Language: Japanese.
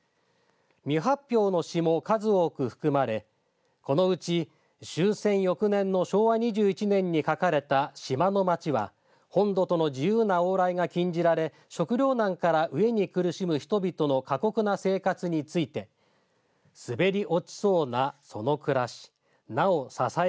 未発表の詩も数多く含まれこのうち終戦翌年の昭和２１年に書かれた島の町は本土との自由な往来が禁じられ食糧難から飢えに苦しむ人々の過酷な生活についてすべり落ちそうなそのくらしなおさゝえ